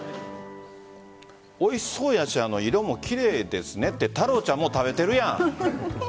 おいしそうだし色も奇麗ですねって太郎ちゃん、もう食べてるやん。